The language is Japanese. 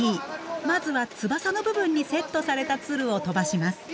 まずは翼の部分にセットされた鶴を飛ばします。